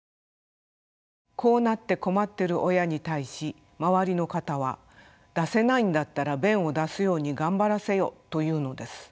こうなって困ってる親に対し周りの方は出せないんだったら便を出すように頑張らせよと言うのです。